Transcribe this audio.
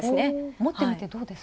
持ってみて、どうです？